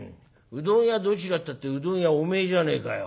うどん屋どちらったってうどん屋お前じゃねえかよ」。